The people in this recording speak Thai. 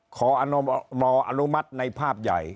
ขออนุมอนุมัติในภาพใหญ่